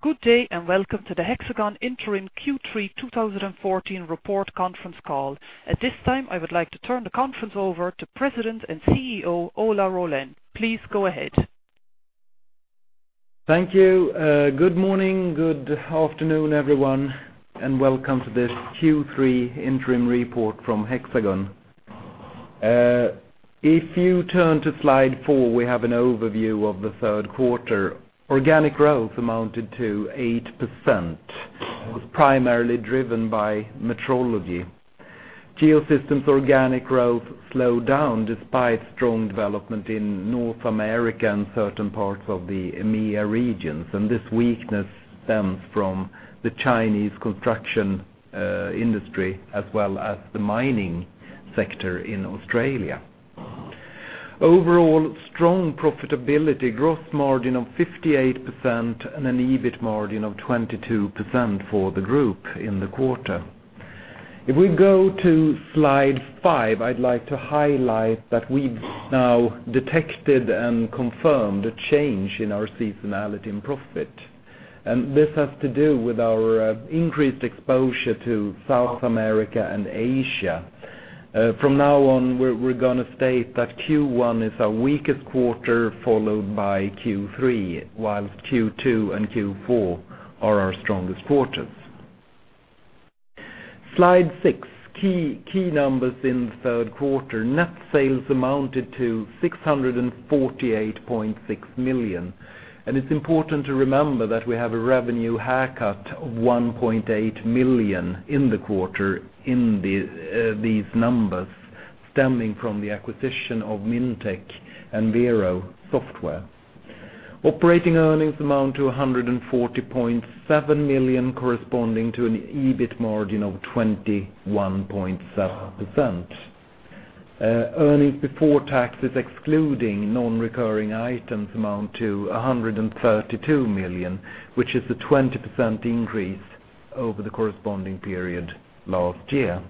Good day, welcome to the Hexagon interim Q3 2014 report conference call. At this time, I would like to turn the conference over to President and CEO, Ola Rollén. Please go ahead. Thank you. Good morning. Good afternoon, everyone, welcome to this Q3 interim report from Hexagon. If you turn to slide four, we have an overview of the third quarter. Organic growth amounted to 8%, was primarily driven by Metrology. Geosystems organic growth slowed down despite strong development in North America and certain parts of the EMEA regions. This weakness stems from the Chinese construction industry as well as the mining sector in Australia. Overall strong profitability, gross margin of 58%, and an EBIT margin of 22% for the group in the quarter. If we go to slide five, I'd like to highlight that we've now detected and confirmed a change in our seasonality and profit. This has to do with our increased exposure to South America and Asia. From now on, we're going to state that Q1 is our weakest quarter, followed by Q3, whilst Q2 and Q4 are our strongest quarters. Slide six, key numbers in the third quarter. Net sales amounted to 648.6 million. It's important to remember that we have a revenue haircut of 1.8 million in the quarter in these numbers stemming from the acquisition of Mintec and Vero Software. Operating earnings amount to 140.7 million, corresponding to an EBIT margin of 21.7%. Earnings before taxes, excluding non-recurring items amount to 132 million, which is a 20% increase over the corresponding period last year.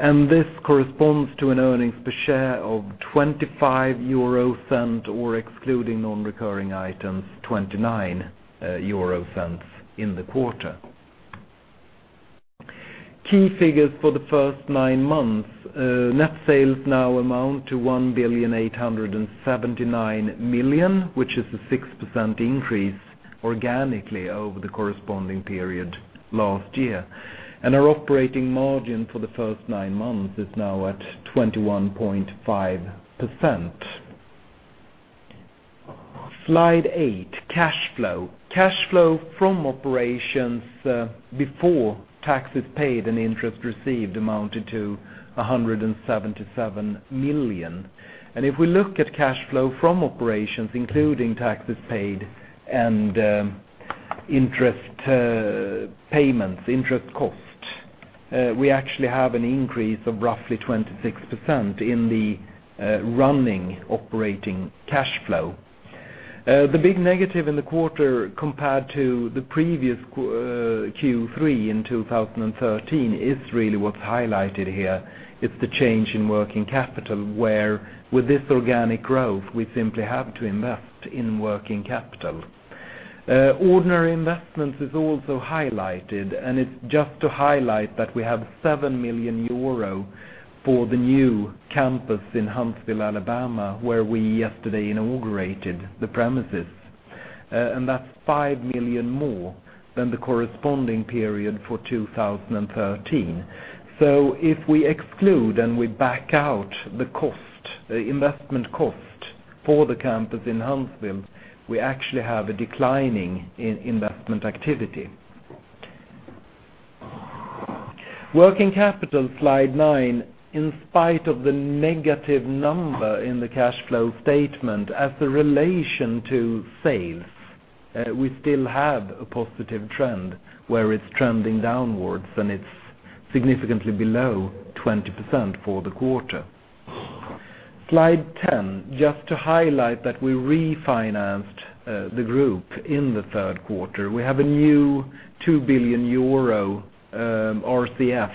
This corresponds to an earnings per share of 0.25, or excluding non-recurring items, 0.29 in the quarter. Key figures for the first nine months. Net sales now amount to 1.879 billion, which is a 6% increase organically over the corresponding period last year. Our operating margin for the first nine months is now at 21.5%. Slide eight, cash flow. Cash flow from operations, before taxes paid and interest received, amounted to 177 million. If we look at cash flow from operations, including taxes paid and interest payments, interest cost, we actually have an increase of roughly 26% in the running operating cash flow. The big negative in the quarter compared to the previous Q3 in 2013 is really what's highlighted here, it's the change in working capital, where with this organic growth, we simply have to invest in working capital. Ordinary investments is also highlighted, it's just to highlight that we have 7 million euro for the new campus in Huntsville, Alabama, where we yesterday inaugurated the premises. That's 5 million more than the corresponding period for 2013. If we exclude and we back out the investment cost for the campus in Huntsville, we actually have a declining investment activity. Working capital, slide nine. In spite of the negative number in the cash flow statement as a relation to sales, we still have a positive trend where it is trending downwards, and it is significantly below 20% for the quarter. Slide 10, just to highlight that we refinanced the group in the third quarter. We have a new 2 billion euro RCF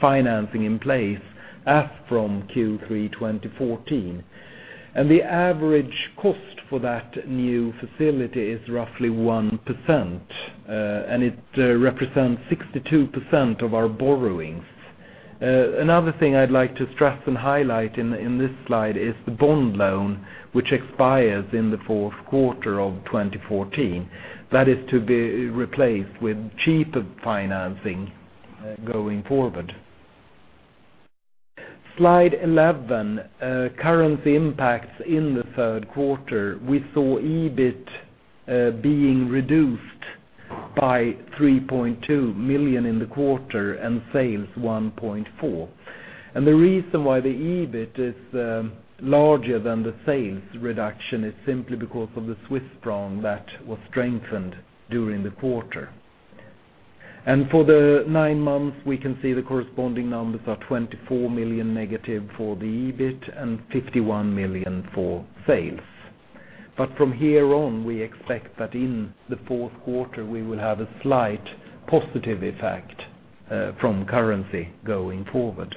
financing in place as from Q3 2014. The average cost for that new facility is roughly 1%, and it represents 62% of our borrowings. Another thing I would like to stress and highlight in this slide is the bond loan, which expires in the fourth quarter of 2014. That is to be replaced with cheaper financing going forward. Slide 11, currency impacts in the third quarter. We saw EBIT being reduced by 3.2 million in the quarter and sales 1.4 million. The reason why the EBIT is larger than the sales reduction is simply because of the Swiss franc that was strengthened during the quarter. For the nine months, we can see the corresponding numbers are 24 million negative for the EBIT and 51 million for sales. From here on, we expect that in the fourth quarter, we will have a slight positive effect from currency going forward.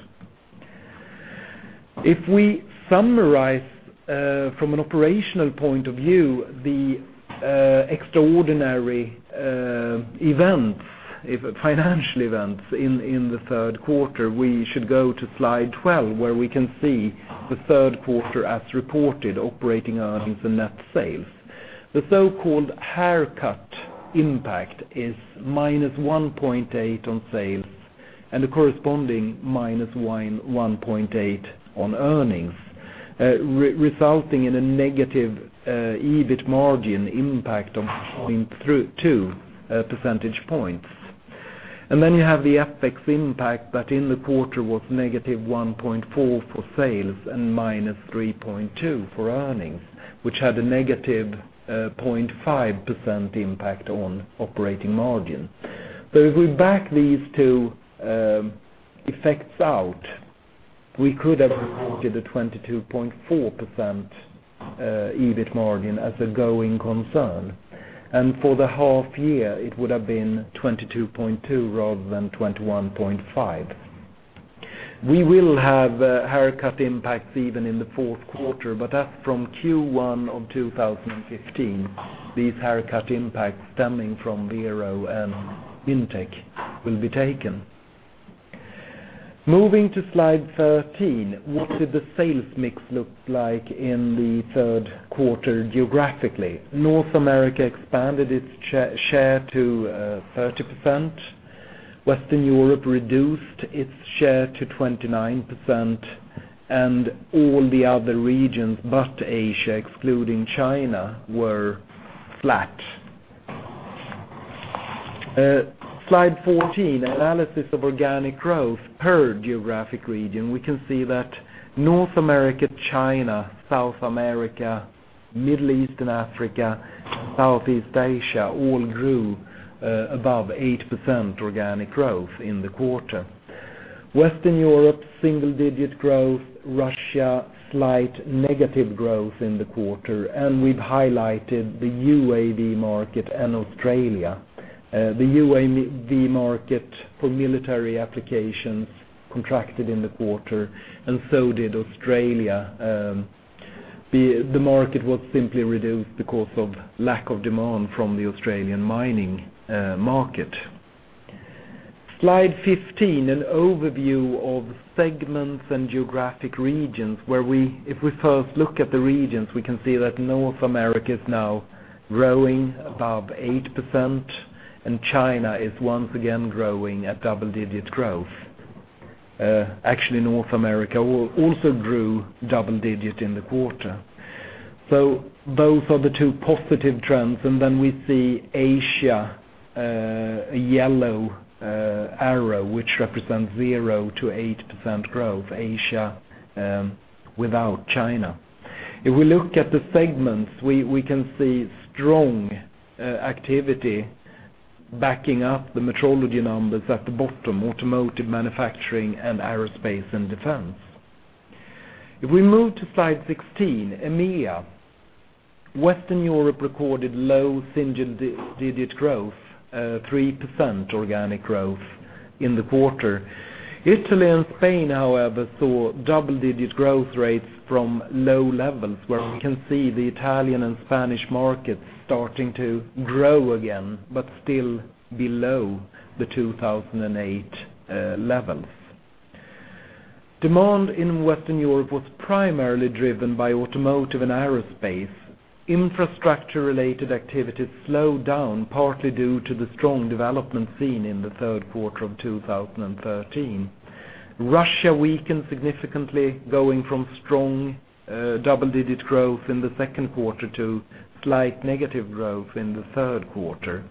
If we summarize from an operational point of view, the extraordinary financial events in the third quarter, we should go to Slide 12, where we can see the third quarter as reported, operating earnings and net sales. The so-called haircut impact is -1.8 million on sales and a corresponding -1.8 million on earnings, resulting in a negative EBIT margin impact of 1.2 percentage points. You have the FX impact that in the quarter was -1.4 million for sales and -3.2 million for earnings, which had a negative 0.5% impact on operating margin. If we back these two effects out, we could have reported a 22.4% EBIT margin as a going concern. For the half year, it would have been 22.2% rather than 21.5%. We will have haircut impacts even in the fourth quarter, as from Q1 of 2015, these haircut impacts stemming from Vero Software and Mintec will be taken. Moving to Slide 13. What did the sales mix look like in the third quarter geographically? North America expanded its share to 30%. Western Europe reduced its share to 29%, and all the other regions, but Asia, excluding China, were flat. Slide 14, analysis of organic growth per geographic region. We can see that North America, China, South America, Middle East and Africa, Southeast Asia all grew above 8% organic growth in the quarter. Western Europe, single-digit growth, Russia, slight negative growth in the quarter, and we have highlighted the UAV market and Australia. The UAV market for military applications contracted in the quarter, and so did Australia. The market was simply reduced because of lack of demand from the Australian mining market. Slide 15, an overview of segments and geographic regions, where if we first look at the regions, we can see that North America is now growing above 8%, and China is once again growing at double-digit growth. Actually, North America also grew double digit in the quarter. Those are the two positive trends. Then we see Asia, a yellow arrow, which represents 0%-8% growth, Asia without China. If we look at the segments, we can see strong activity backing up the Metrology numbers at the bottom, automotive manufacturing, and aerospace and defense. If we move to Slide 16, EMEA, Western Europe recorded low single-digit growth, 3% organic growth in the quarter. Italy and Spain, however, saw double-digit growth rates from low levels, where we can see the Italian and Spanish markets starting to grow again, but still below the 2008 levels. Demand in Western Europe was primarily driven by automotive and aerospace. Infrastructure-related activities slowed down, partly due to the strong development seen in the third quarter of 2013. Russia weakened significantly, going from strong double-digit growth in the second quarter to slight negative growth in the third quarter.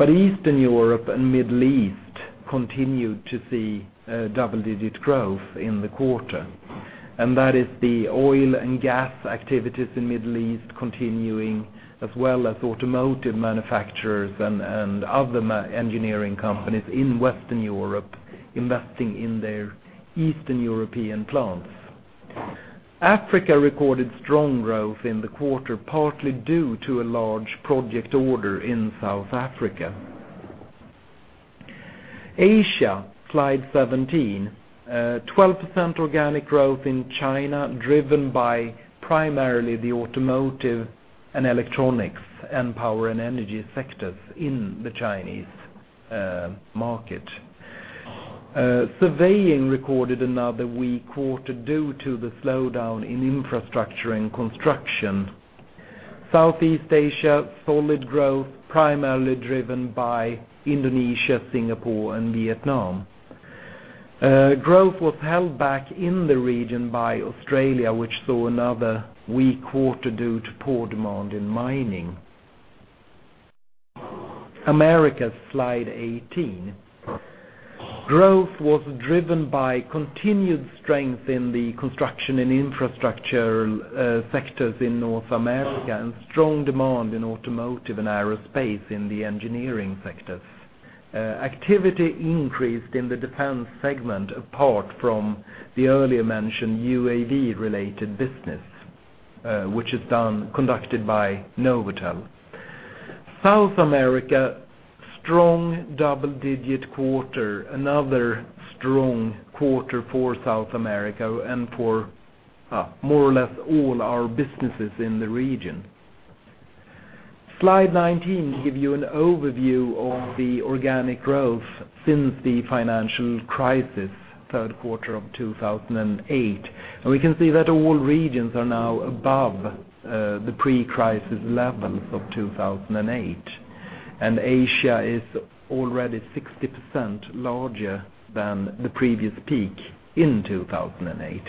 Eastern Europe and Middle East continued to see double-digit growth in the quarter. That is the oil and gas activities in Middle East continuing, as well as automotive manufacturers and other engineering companies in Western Europe investing in their Eastern European plants. Africa recorded strong growth in the quarter, partly due to a large project order in South Africa. Asia, Slide 17, 12% organic growth in China, driven by primarily the automotive and electronics and power and energy sectors in the Chinese market. Surveying recorded another weak quarter due to the slowdown in infrastructure and construction. Southeast Asia, solid growth, primarily driven by Indonesia, Singapore, and Vietnam. Growth was held back in the region by Australia, which saw another weak quarter due to poor demand in mining. Americas, Slide 18. Growth was driven by continued strength in the construction and infrastructure sectors in North America and strong demand in automotive and aerospace in the engineering sectors. Activity increased in the defense segment, apart from the earlier mentioned UAV-related business, which is conducted by NovAtel. South America, strong double-digit quarter. Another strong quarter for South America and for more or less all our businesses in the region. Slide 19 will give you an overview of the organic growth since the financial crisis, third quarter of 2008. We can see that all regions are now above the pre-crisis levels of 2008, and Asia is already 60% larger than the previous peak in 2008.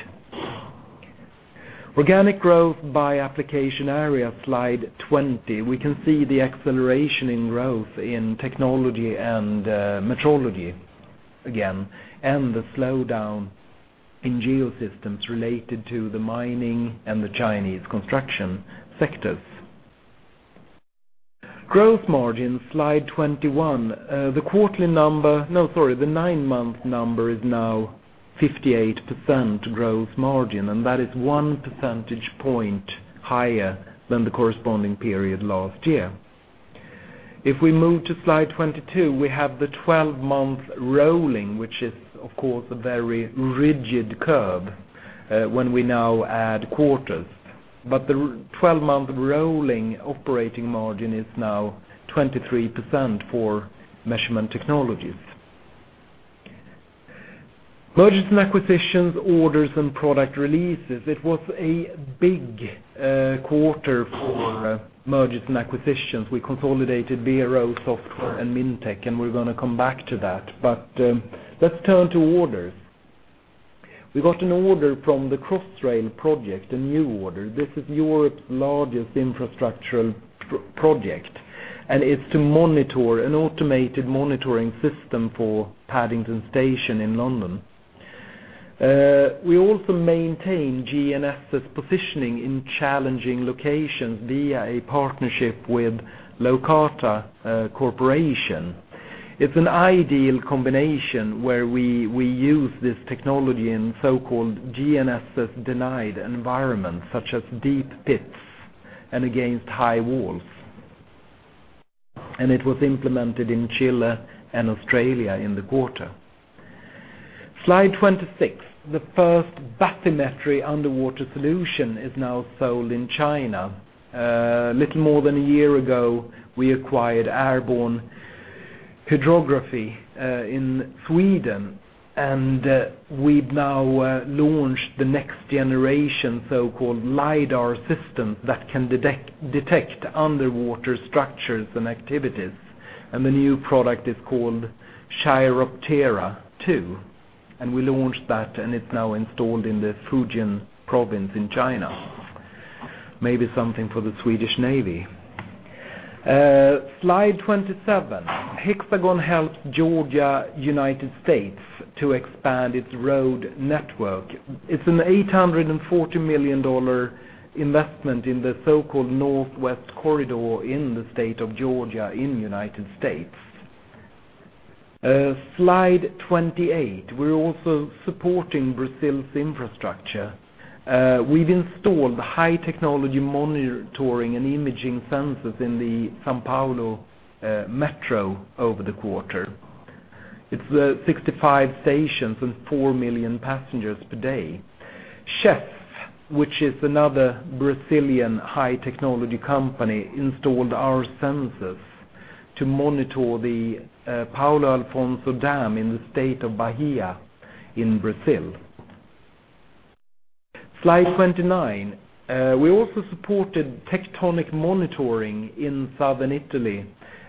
Organic growth by application area, Slide 20. We can see the acceleration in growth in technology and Metrology again, and the slowdown in Geosystems related to the mining and the Chinese construction sectors. Growth margin, Slide 21. The nine-month number is now 58% growth margin, and that is one percentage point higher than the corresponding period last year. If we move to Slide 22, we have the 12-month rolling, which is, of course, a very rigid curve when we now add quarters. The 12-month rolling operating margin is now 23% for measurement technologies. Mergers and acquisitions, orders, and product releases. It was a big quarter for mergers and acquisitions. We consolidated Vero Software and Mintec, and we're going to come back to that. Let's turn to orders. We got an order from the Crossrail project, a new order. This is Europe's largest infrastructural project, and it's an automated monitoring system for Paddington Station in London. We also maintain GNSS positioning in challenging locations via a partnership with Locata Corporation. It's an ideal combination where we use this technology in so-called GNSS-denied environments, such as deep pits and against high walls. It was implemented in Chile and Australia in the quarter. Slide 26. The first bathymetry underwater solution is now sold in China. Little more than a year ago, we acquired Airborne Hydrography in Sweden, and we've now launched the next generation, so-called LiDAR system that can detect underwater structures and activities. The new product is called Chiroptera 2. We launched that, and it's now installed in the Fujian province in China. Maybe something for the Swedish Navy. Slide 27. Hexagon helped Georgia, U.S. to expand its road network. It's an $840-million investment in the so-called Northwest Corridor in the state of Georgia in the U.S. Slide 28. We're also supporting Brazil's infrastructure. We've installed high-technology monitoring and imaging sensors in the São Paulo Metro over the quarter. It's the 65 stations and four million passengers per day. CES, which is another Brazilian high-technology company, installed our sensors to monitor the Paulo Afonso Dam in the state of Bahia in Brazil. Slide 29. We also supported tectonic monitoring in southern Italy.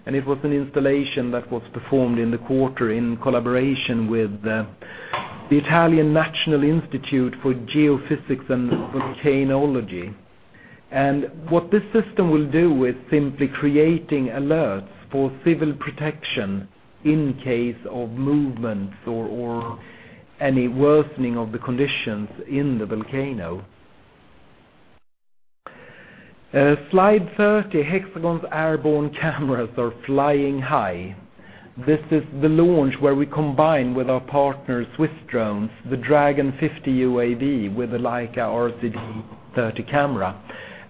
It was an installation that was performed in the quarter in collaboration with the National Institute of Geophysics and Volcanology. What this system will do is simply creating alerts for civil protection in case of movements or any worsening of the conditions in the volcano. Slide 30. Hexagon's airborne cameras are flying high. This is the launch where we combine with our partner Swissdrones, the Dragon 50 UAV with the Leica RCA30 camera.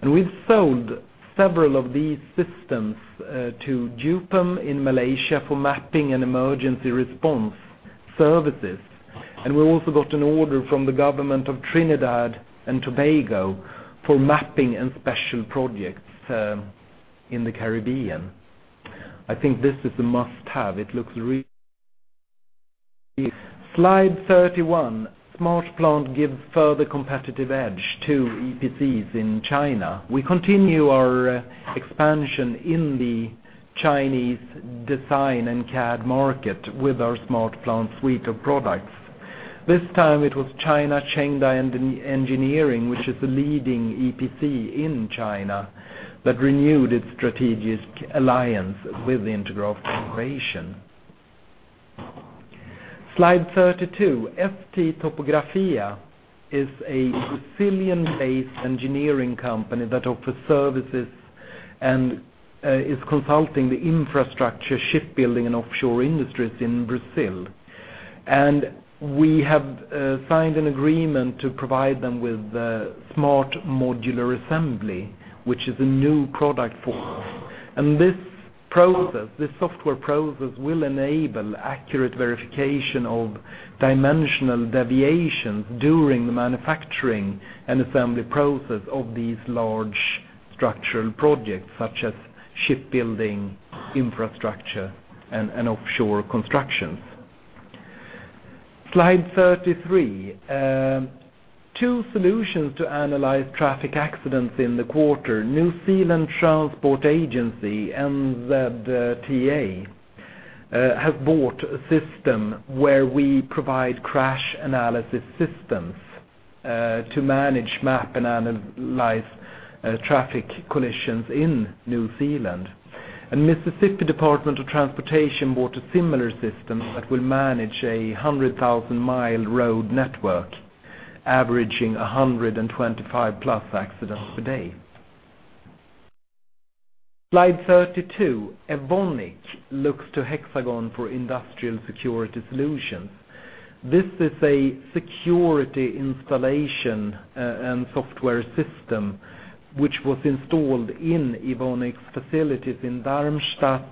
We've sold several of these systems to JUPEM in Malaysia for mapping and emergency response services. We also got an order from the government of Trinidad and Tobago for mapping and special projects in the Caribbean. I think this is a must-have. Slide 31. SmartPlant gives further competitive edge to EPCs in China. We continue our expansion in the Chinese design and CAD market with our SmartPlant suite of products. This time it was China Chengda Engineering, which is the leading EPC in China that renewed its strategic alliance with the Intergraph Corporation. Slide 32. ST Topografia is a Brazilian-based engineering company that offers services and is consulting the infrastructure, shipbuilding, and offshore industries in Brazil. We have signed an agreement to provide them with the Smart Modular Assembly, which is a new product for us. This software process will enable accurate verification of dimensional deviations during the manufacturing and assembly process of these large structural projects, such as shipbuilding, infrastructure, and offshore constructions. Slide 33. Two solutions to analyze traffic accidents in the quarter. New Zealand Transport Agency, NZTA, has bought a system where we provide crash analysis systems to manage, map, and analyze traffic collisions in New Zealand. Mississippi Department of Transportation bought a similar system that will manage a 100,000-mile road network, averaging 125-plus accidents per day. Slide 32. Evonik looks to Hexagon for industrial security solutions. This is a security installation and software system, which was installed in Evonik's facilities in Darmstadt,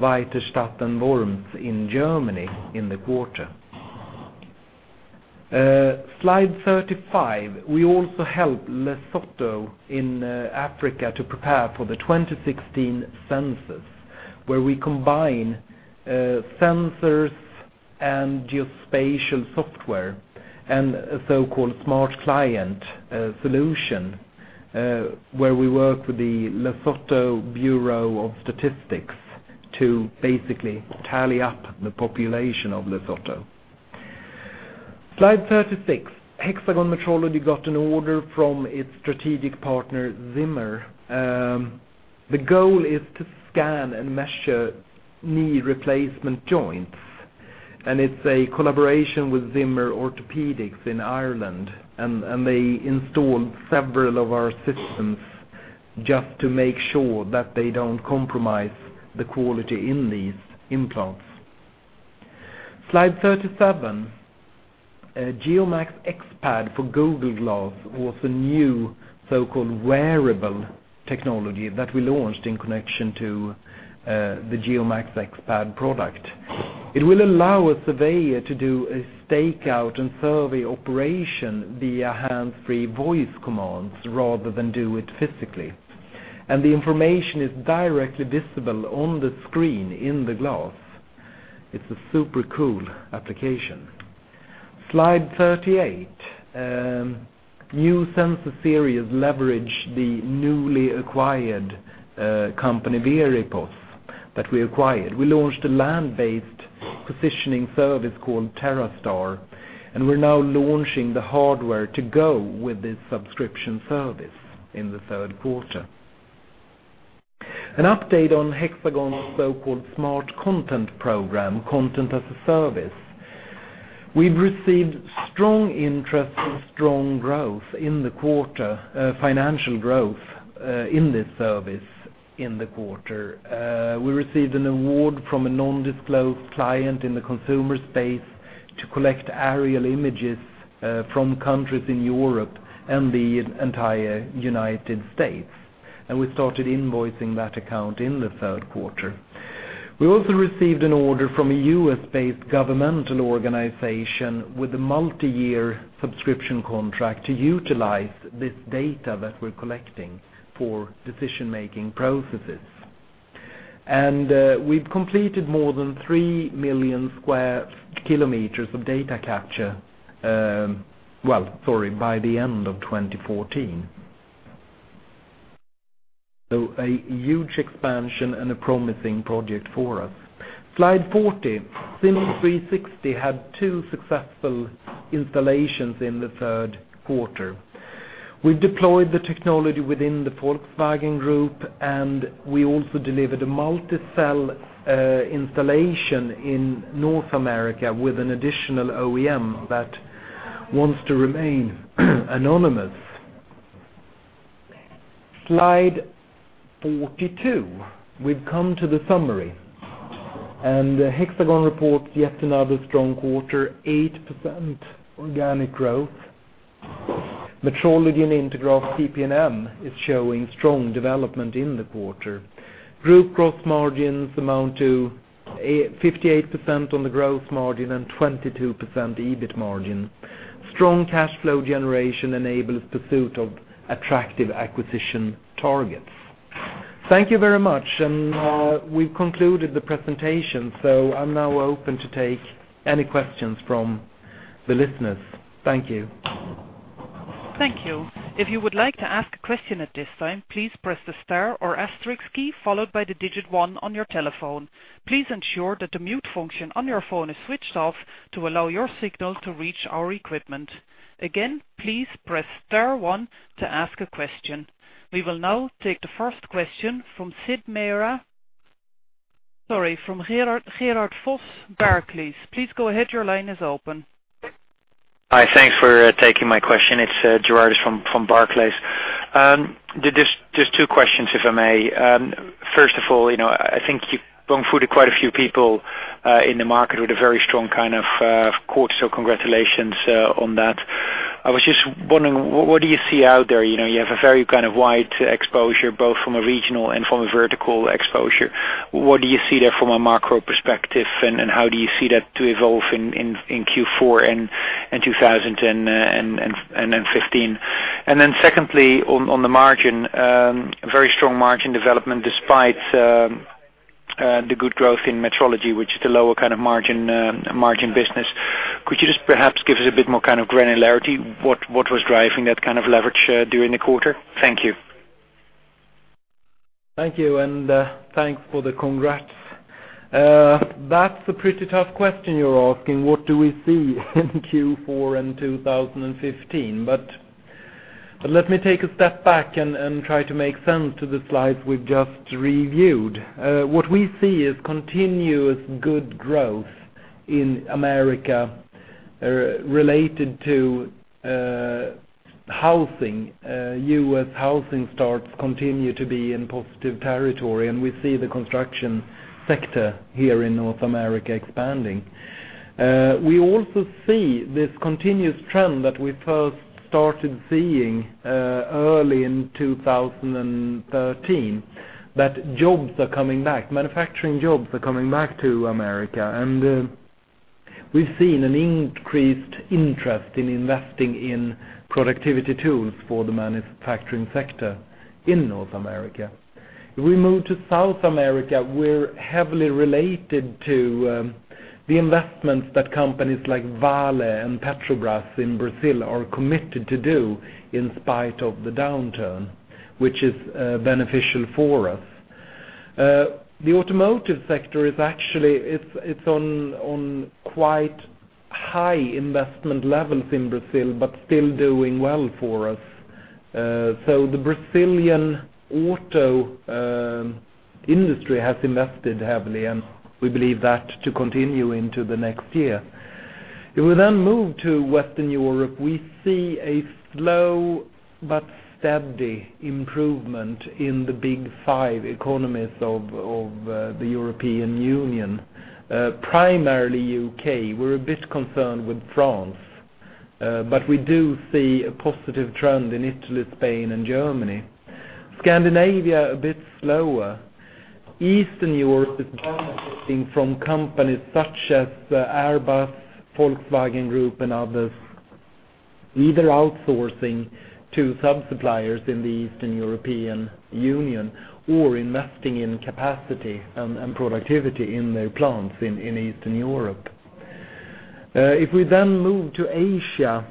Weiterstadt, and Worms in Germany in the quarter. Slide 35. We also helped Lesotho in Africa to prepare for the 2016 census, where we combine sensors and geospatial software and a so-called smart client solution, where we work with the Lesotho Bureau of Statistics to basically tally up the population of Lesotho. Slide 36. Hexagon Metrology got an order from its strategic partner, Zimmer. The goal is to scan and measure knee replacement joints. It's a collaboration with Zimmer Orthopedics in Ireland. They installed several of our systems just to make sure that they don't compromise the quality in these implants. Slide 37. GeoMax X-PAD for Google Glass was a new so-called wearable technology that we launched in connection to the GeoMax X-PAD product. It will allow a surveyor to do a stakeout and survey operation via hands-free voice commands rather than do it physically. The information is directly visible on the screen in the glass. It's a super cool application. Slide 38. New sensor series leverage the newly acquired company, Veripos, that we acquired. We launched a land-based positioning service called TerraStar, and we're now launching the hardware to go with this subscription service in the third quarter. An update on Hexagon's so-called Smart Content Program, content as a service. We've received strong interest and strong growth in the quarter, financial growth in this service in the quarter. We received an award from a non-disclosed client in the consumer space to collect aerial images from countries in Europe and the entire U.S. We started invoicing that account in the third quarter. We also received an order from a U.S.-based governmental organization with a multi-year subscription contract to utilize this data that we're collecting for decision-making processes. We've completed more than 3 million sq km of data capture by the end of 2014. A huge expansion and a promising project for us. Slide 40. SIMS 360 had two successful installations in the third quarter. We deployed the technology within the Volkswagen Group. We also delivered a multi-cell installation in North America with an additional OEM that wants to remain anonymous. Slide 42. We've come to the summary. Hexagon reports yet another strong quarter, 8% organic growth. Metrology and Intergraph PP&M is showing strong development in the quarter. Group gross margins amount to 58% on the gross margin and 22% EBIT margin. Strong cash flow generation enables pursuit of attractive acquisition targets. Thank you very much. We've concluded the presentation. I'm now open to take any questions from the listeners. Thank you. Thank you. If you would like to ask a question at this time, please press the star or asterisk key followed by the digit 1 on your telephone. Please ensure that the mute function on your phone is switched off to allow your signal to reach our equipment. Again, please press star one to ask a question. We will now take the first question from Stacy Mera. Sorry, from Gerardus Vos, Barclays. Please go ahead. Your line is open. Hi, thanks for taking my question. It is Gerardus from Barclays. Just two questions, if I may. First of all, I think you have bamboozled quite a few people in the market with a very strong quarter, so congratulations on that. I was just wondering, what do you see out there? You have a very wide exposure, both from a regional and from a vertical exposure. What do you see there from a macro perspective, and how do you see that evolving in Q4 and in 2015? Secondly, on the margin, very strong margin development despite the good growth in metrology, which is the lower kind of margin business. Could you just perhaps give us a bit more granularity? What was driving that kind of leverage during the quarter? Thank you. Thank you, thanks for the congrats. That is a pretty tough question you are asking. What do we see in Q4 and 2015? Let me take a step back and try to make sense of the slides we have just reviewed. What we see is continuous good growth in America related to housing. U.S. housing starts continue to be in positive territory, we see the construction sector here in North America expanding. We also see this continuous trend that we first started seeing early in 2013, that jobs are coming back, manufacturing jobs are coming back to America, we have seen an increased interest in investing in productivity tools for the manufacturing sector in North America. If we move to South America, we are heavily related to the investments that companies like Vale and Petrobras in Brazil are committed to do in spite of the downturn, which is beneficial for us. The automotive sector is actually on quite high investment levels in Brazil, still doing well for us. The Brazilian auto industry has invested heavily, we believe that to continue into the next year. If we move to Western Europe, we see a slow but steady improvement in the big five economies of the European Union, primarily U.K. We are a bit concerned with France, we do see a positive trend in Italy, Spain, and Germany. Scandinavia, a bit slower. Eastern Europe is benefiting from companies such as Airbus, Volkswagen Group, and others, either outsourcing to sub-suppliers in the Eastern European Union or investing in capacity and productivity in their plants in Eastern Europe. If we move to Asia,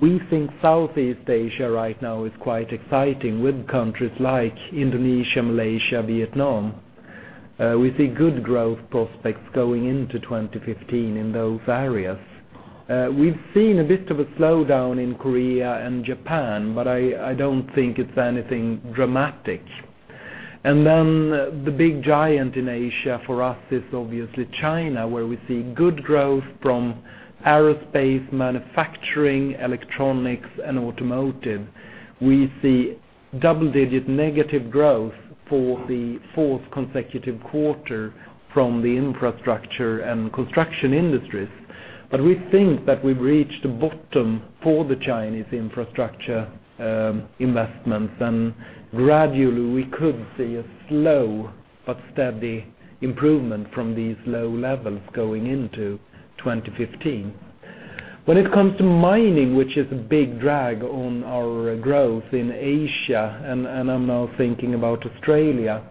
we think Southeast Asia right now is quite exciting with countries like Indonesia, Malaysia, Vietnam. We see good growth prospects going into 2015 in those areas. We have seen a bit of a slowdown in Korea and Japan, I do not think it is anything dramatic. The big giant in Asia for us is obviously China, where we see good growth from aerospace, manufacturing, electronics, and automotive. We see double-digit negative growth for the fourth consecutive quarter from the infrastructure and construction industries. We think that we have reached the bottom for the Chinese infrastructure investments, gradually we could see a slow but steady improvement from these low levels going into 2015. When it comes to mining, which is a big drag on our growth in Asia, I am now thinking about Australia,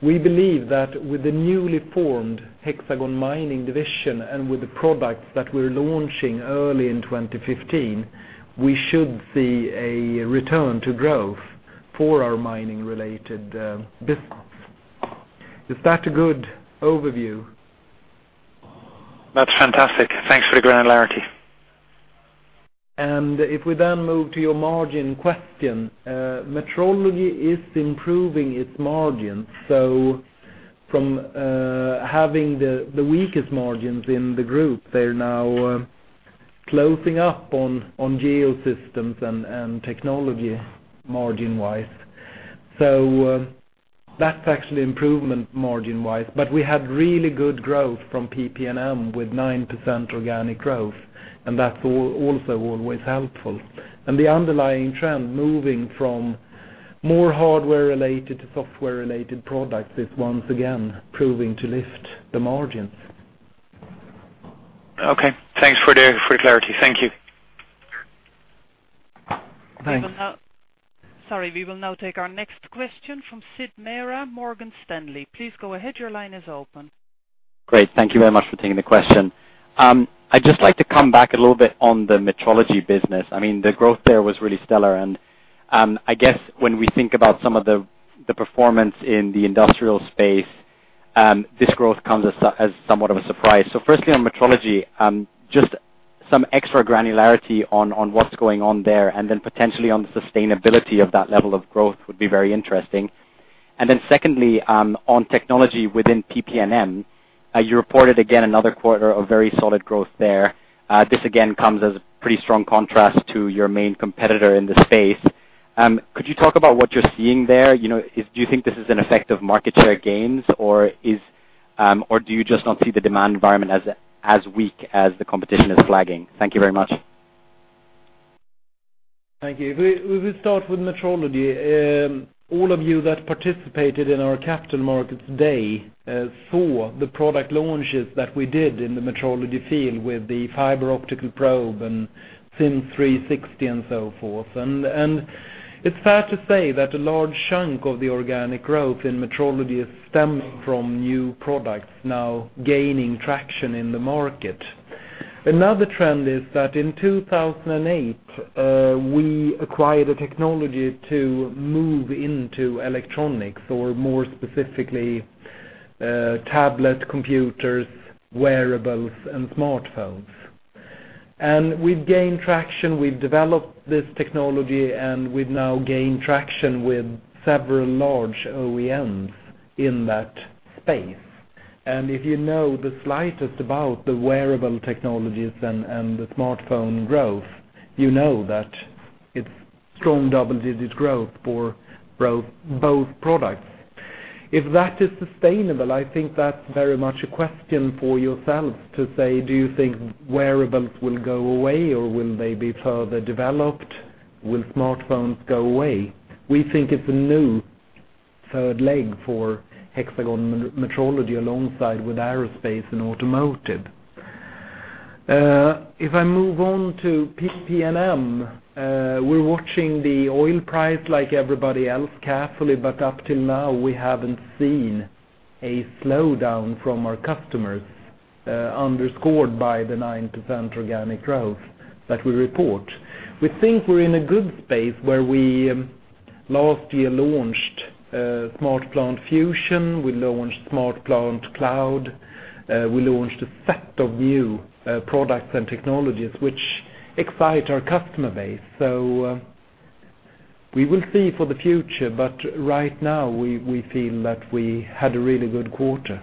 we believe that with the newly formed Hexagon Mining division and with the products that we are launching early in 2015, we should see a return to growth for our mining-related business. Is that a good overview? That's fantastic. Thanks for the granularity. If we then move to your margin question, Metrology is improving its margins. From having the weakest margins in the group, they're now closing up on Geosystems and technology margin-wise. That's actually improvement margin-wise. We had really good growth from PP&M with 9% organic growth, and that's also always helpful. The underlying trend, moving from more hardware-related to software-related products is once again proving to lift the margins. Okay, thanks for the clarity. Thank you. Thanks. Sorry, we will now take our next question from Stacy Mera, Morgan Stanley. Please go ahead. Your line is open. Great. Thank you very much for taking the question. I'd just like to come back a little bit on the metrology business. The growth there was really stellar, and I guess when we think about some of the performance in the industrial space, this growth comes as somewhat of a surprise. Firstly on metrology, just some extra granularity on what's going on there, and then potentially on the sustainability of that level of growth would be very interesting. Secondly, on technology within PP&M, you reported again another quarter of very solid growth there. This again comes as a pretty strong contrast to your main competitor in the space. Could you talk about what you're seeing there? Do you think this is an effect of market share gains, or do you just not see the demand environment as weak as the competition is flagging? Thank you very much. Thank you. We will start with metrology. All of you that participated in our capital markets day saw the product launches that we did in the metrology field with the fiber optical probe and 360° SIMS and so forth. It's fair to say that a large chunk of the organic growth in metrology is stemming from new products now gaining traction in the market. Another trend is that in 2008, we acquired a technology to move into electronics, or more specifically, tablet computers, wearables, and smartphones. We've gained traction. We've developed this technology, and we've now gained traction with several large OEMs in that space. If you know the slightest about the wearable technologies and the smartphone growth, you know that it's strong double-digit growth for both products. If that is sustainable, I think that's very much a question for yourselves to say, do you think wearables will go away, or will they be further developed? Will smartphones go away? We think it's a new third leg for Hexagon Metrology, alongside with aerospace and automotive. If I move on to PP&M, we're watching the oil price like everybody else carefully, but up till now, we haven't seen a slowdown from our customers, underscored by the 9% organic growth that we report. We think we're in a good space where we, last year, launched SmartPlant Fusion, we launched SmartPlant Cloud, we launched a set of new products and technologies which excite our customer base. We will see for the future, but right now, we feel that we had a really good quarter.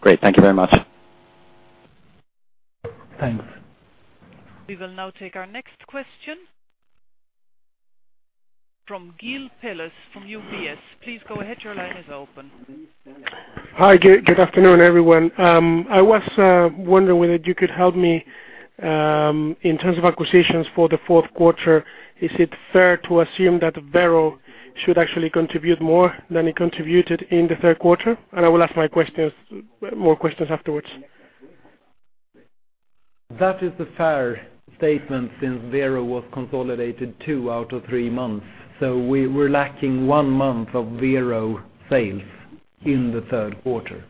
Great. Thank you very much. Thanks. We will now take our next question from Guilherme Pelez from UBS. Please go ahead. Your line is open. Hi, good afternoon, everyone. I was wondering whether you could help me in terms of acquisitions for the fourth quarter. Is it fair to assume that Vero should actually contribute more than it contributed in the third quarter? I will ask more questions afterwards. That is a fair statement, since Vero was consolidated two out of three months. We were lacking one month of Vero sales in the third quarter.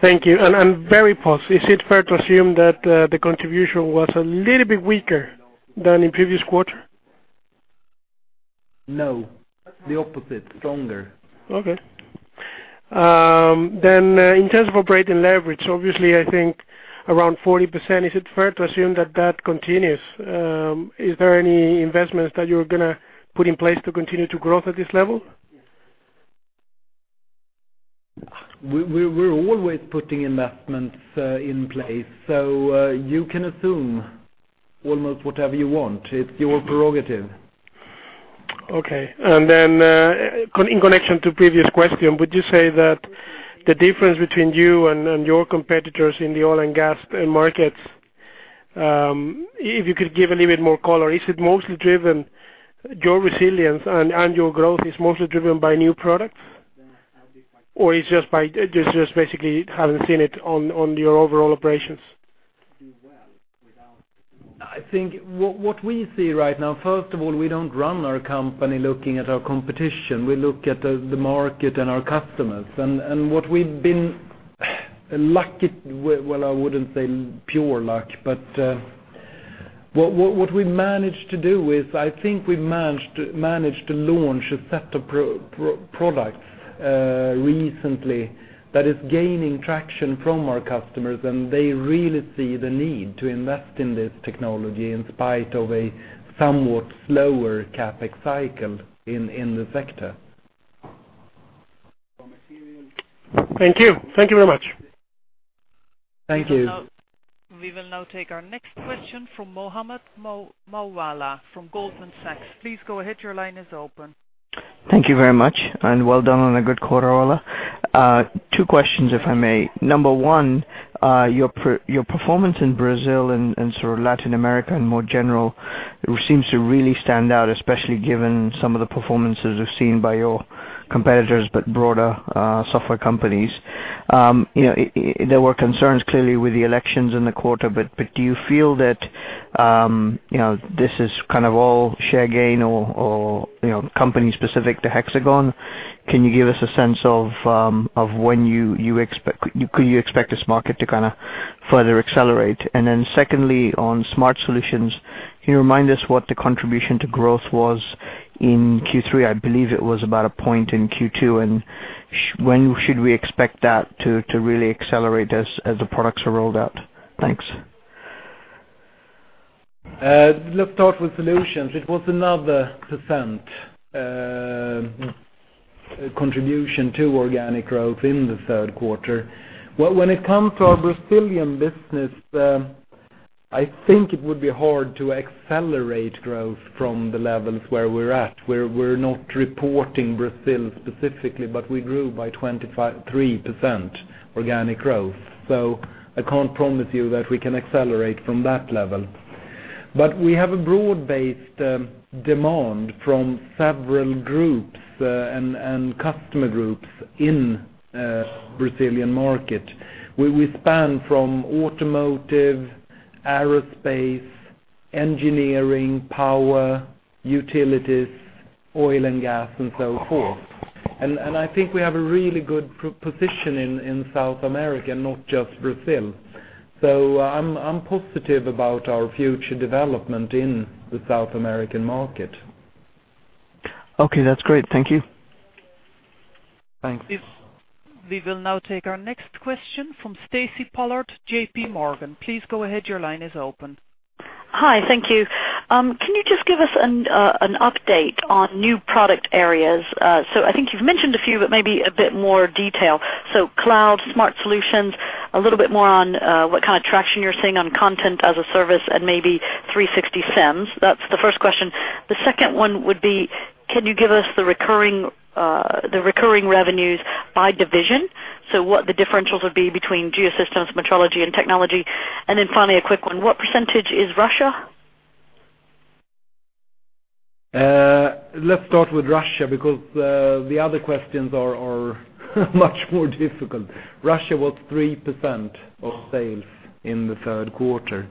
Thank you. Veripos, is it fair to assume that the contribution was a little bit weaker than in previous quarter? No. The opposite, stronger. Okay. In terms of operating leverage, obviously, I think around 40%, is it fair to assume that continues? Is there any investments that you're going to put in place to continue to grow at this level? We're always putting investments in place, you can assume almost whatever you want. It's your prerogative. Okay. In connection to previous question, would you say that the difference between you and your competitors in the oil and gas markets, if you could give a little bit more color, your resilience and your growth is mostly driven by new products? Or it's just basically haven't seen it on your overall operations? I think what we see right now, first of all, we don't run our company looking at our competition. We look at the market and our customers. What we've managed to do is, I think we've managed to launch a set of products recently that is gaining traction from our customers, and they really see the need to invest in this technology in spite of a somewhat slower CapEx cycle in the sector. Thank you. Thank you very much. Thank you. We will now take our next question from Mohammed Moawalla from Goldman Sachs. Please go ahead. Your line is open. Thank you very much, and well done on a good quarter, Ola. Two questions, if I may. Number one, your performance in Brazil and Latin America in more general, it seems to really stand out, especially given some of the performances we have seen by your competitors, but broader software companies. There were concerns clearly with the elections in the quarter, but do you feel that this is all share gain or company specific to Hexagon? Can you give us a sense of when could you expect this market to further accelerate? Secondly, on Smart Solutions, can you remind us what the contribution to growth was in Q3? I believe it was about a point in Q2. When should we expect that to really accelerate as the products are rolled out? Thanks. Let's start with solutions. It was another percent contribution to organic growth in the third quarter. When it comes to our Brazilian business, I think it would be hard to accelerate growth from the levels where we are at. We are not reporting Brazil specifically, but we grew by 23% organic growth. I can't promise you that we can accelerate from that level. We have a broad-based demand from several groups and customer groups in Brazilian market, where we span from automotive, aerospace, engineering, power, utilities, oil and gas, and so forth. I think we have a really good position in South America, not just Brazil. I am positive about our future development in the South American market. Okay, that's great. Thank you. Thanks. We will now take our next question from Stacy Pollard, J.P. Morgan. Please go ahead. Your line is open. Hi. Thank you. Can you just give us an update on new product areas? I think you've mentioned a few, but maybe a bit more detail. Cloud, Smart Solutions, a little bit more on what kind of traction you're seeing on HxGN Content Program and maybe 360° SIMS. That's the first question. The second one would be, can you give us the recurring revenues by division? What the differentials would be between Hexagon Geosystems, Hexagon Metrology, and Technology. Finally, a quick one, what percentage is Russia? Let's start with Russia, because the other questions are much more difficult. Russia was 3% of sales in the third quarter.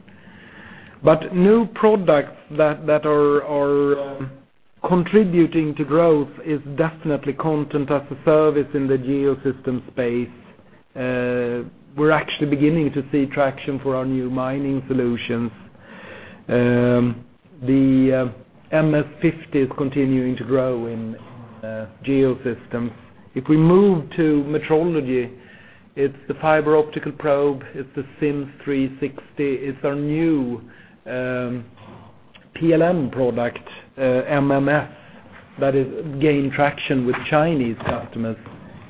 New products that are contributing to growth is definitely HxGN Content Program in the Hexagon Geosystems space. We're actually beginning to see traction for our new mining solutions. The Leica MS50 is continuing to grow in Hexagon Geosystems. If we move to Hexagon Metrology, it's the fiber optical probe, it's the 360° SIMS, it's our new PLM product, MMS, that is gaining traction with Chinese customers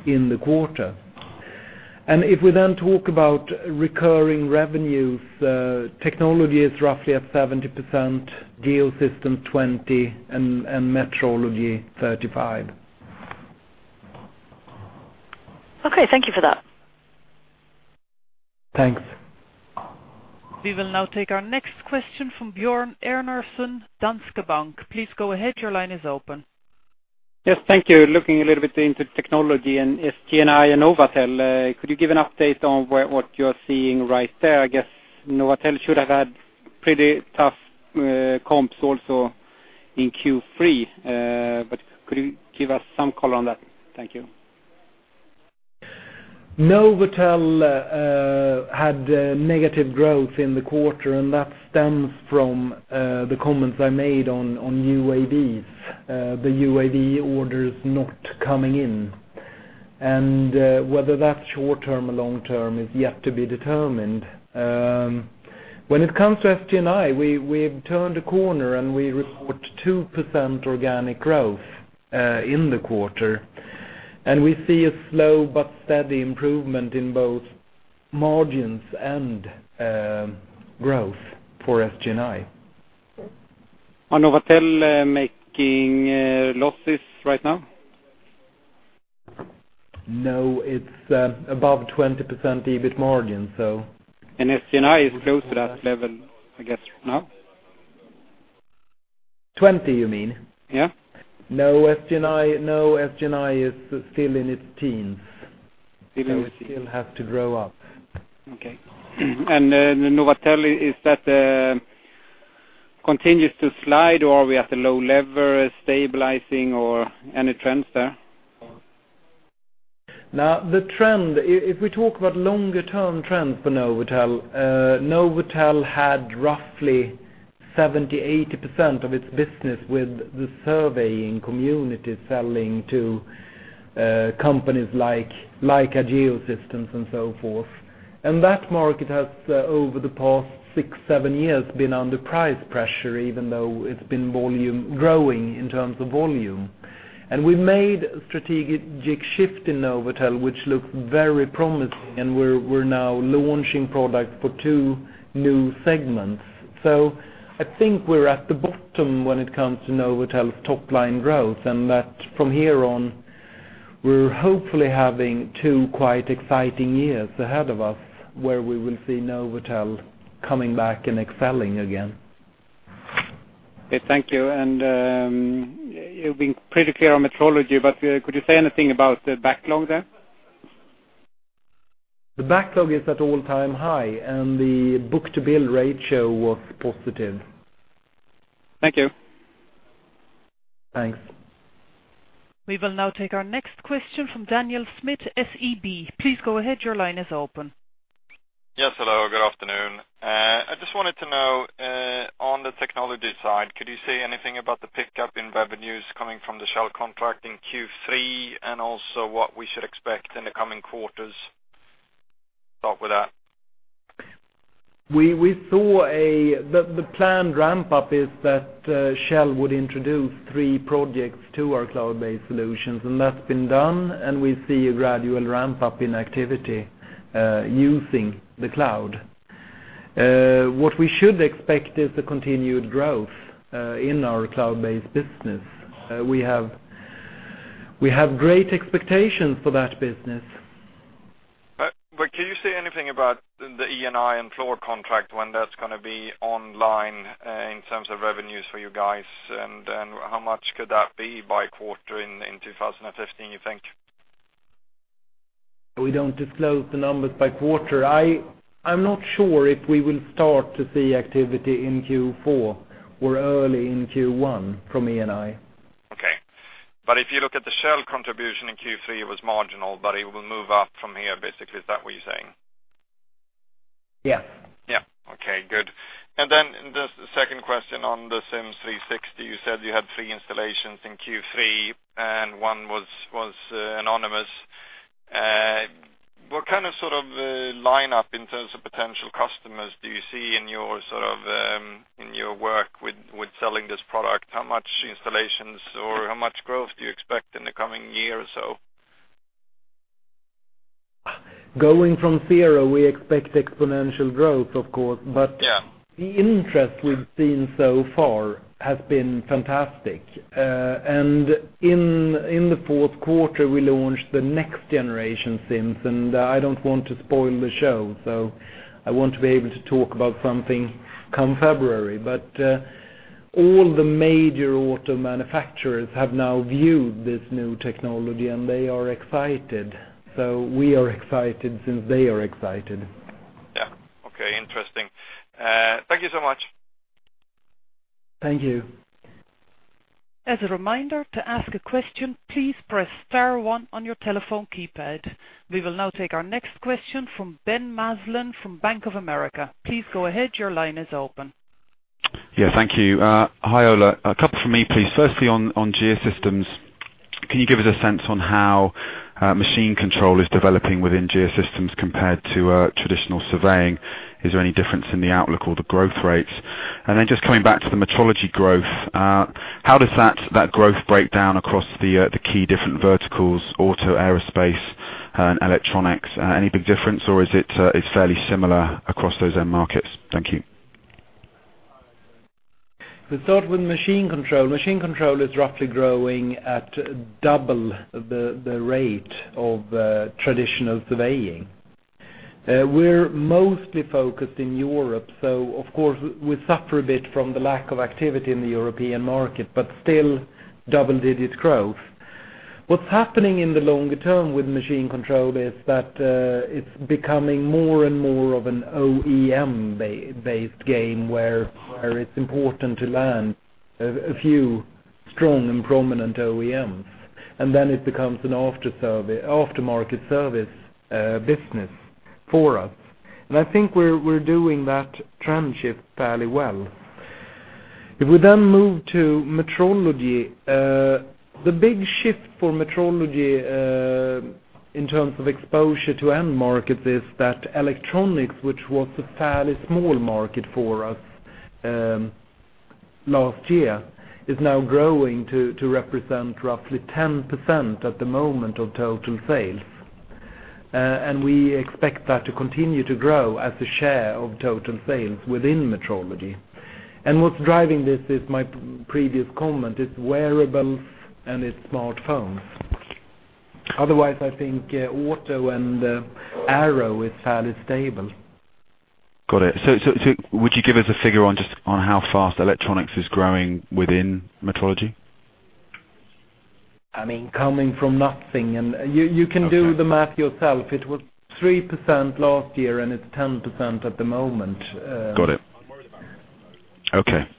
in the quarter. If we then talk about recurring revenues, Technology is roughly at 70%, Hexagon Geosystems 20%, and Hexagon Metrology 35%. Okay. Thank you for that. Thanks. We will now take our next question from Björn Enarsson, Danske Bank. Please go ahead. Your line is open. Yes, thank you. Looking a little bit into Technology and SGI and NovAtel, could you give an update on what you're seeing right there? I guess NovAtel should have had pretty tough comps also in Q3. Could you give us some color on that? Thank you. NovAtel had negative growth in the quarter, that stems from the comments I made on UAVs, the UAV orders not coming in. Whether that's short-term or long-term is yet to be determined. When it comes to SGI, we've turned a corner, we report 2% organic growth in the quarter. We see a slow but steady improvement in both margins and growth for SGI. Are NovAtel making losses right now? No, it's above 20% EBIT margin. SGI is close to that level, I guess, now? 20, you mean? Yeah. No, SGI is still in its teens. Still in- It still has to grow up. Okay. NovAtel, is that continues to slide, or are we at a low level, stabilizing, or any trends there? The trend, if we talk about longer-term trends for NovAtel had roughly 70%-80% of its business with the surveying community selling to companies like Geosystems and so forth. That market has, over the past six, seven years, been under price pressure, even though it's been growing in terms of volume. We made a strategic shift in NovAtel, which looks very promising, and we're now launching products for two new segments. I think we're at the bottom when it comes to NovAtel's top-line growth, and that from here on, we're hopefully having two quite exciting years ahead of us, where we will see NovAtel coming back and excelling again. Okay, thank you. You've been pretty clear on Metrology, but could you say anything about the backlog there? The backlog is at all-time high, and the book-to-bill ratio was positive. Thank you. Thanks. We will now take our next question from Daniel Djurberg, SEB. Please go ahead. Your line is open. Yes, hello. Good afternoon. I just wanted to know, on the technology side, could you say anything about the pickup in revenues coming from the Shell contract in Q3, and also what we should expect in the coming quarters? Start with that. The planned ramp-up is that Shell would introduce three projects to our cloud-based solutions, and that's been done, and we see a gradual ramp-up in activity using the cloud. What we should expect is the continued growth in our cloud-based business. We have great expectations for that business. Can you say anything about the Eni and Fluor contract, when that's going to be online in terms of revenues for you guys, and then how much could that be by quarter in 2015, you think? We don't disclose the numbers by quarter. I'm not sure if we will start to see activity in Q4 or early in Q1 from Eni. Okay. If you look at the Shell contribution in Q3, it was marginal, but it will move up from here, basically. Is that what you're saying? Yes. Yeah. Okay, good. The second question on the 360° SIMS. You said you had three installations in Q3 and one was anonymous. What kind of line up in terms of potential customers do you see in your work with selling this product? How much installations or how much growth do you expect in the coming year or so? Going from zero, we expect exponential growth, of course. Yeah The interest we've seen so far has been fantastic. In the fourth quarter, we launched the next generation SIMS, and I don't want to spoil the show. I want to be able to talk about something come February. All the major auto manufacturers have now viewed this new technology and they are excited. We are excited since they are excited. Yeah. Okay, interesting. Thank you so much. Thank you. As a reminder, to ask a question, please press star one on your telephone keypad. We will now take our next question from Ben Maslen from Bank of America. Please go ahead. Your line is open. Yeah, thank you. Hi, Ola. A couple from me, please. Firstly, on Geosystems, can you give us a sense on how machine control is developing within Geosystems compared to traditional surveying? Is there any difference in the outlook or the growth rates? Just coming back to the Metrology growth, how does that growth break down across the key different verticals, auto, aerospace, and electronics? Any big difference or is it fairly similar across those end markets? Thank you. To start with machine control. Machine control is roughly growing at double the rate of traditional surveying. We are mostly focused in Europe, so of course, we suffer a bit from the lack of activity in the European market, but still double-digit growth. What is happening in the longer term with machine control is that it is becoming more and more of an OEM-based game, where it is important to land a few strong and prominent OEMs, then it becomes an aftermarket service business for us. I think we are doing that trend shift fairly well. If we then move to Metrology, the big shift for Metrology in terms of exposure to end markets is that electronics, which was a fairly small market for us last year, is now growing to represent roughly 10% at the moment of total sales. We expect that to continue to grow as a share of total sales within Metrology. What's driving this is my previous comment, it's wearables and it's smartphones. Otherwise, I think auto and aero is fairly stable. Got it. Would you give us a figure on just how fast electronics is growing within Metrology? Coming from nothing, you can do the math yourself. It was 3% last year and it's 10% at the moment. Got it. Okay.